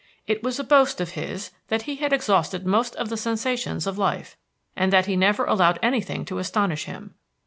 It was a boast of his that he had exhausted most of the sensations of life, and that he never allowed anything to astonish him.